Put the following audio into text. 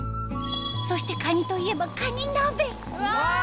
そしてカニといえばうわ！